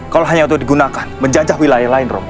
kalau hanya untuk digunakan menjajah wilayah lain rom